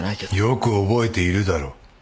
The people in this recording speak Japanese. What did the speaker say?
よく覚えているだろ？